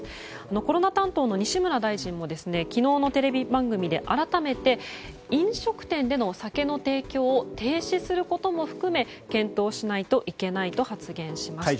コロナ担当の西村大臣も昨日のテレビ番組で改めて、飲食店での酒の提供を停止することも含め検討しないといけないと発言しました。